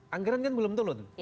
anggaran kan belum turun